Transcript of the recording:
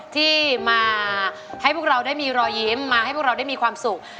ที่มาให้พวกเราได้มีรอยยิ้มมาให้พวกเราได้มีความสุข